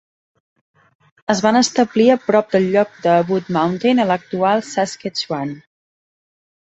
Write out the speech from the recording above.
Es van establir a prop del lloc de Wood Mountain a l'actual Saskatchewan.